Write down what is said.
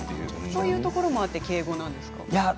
そういうところもあって敬語なんですか。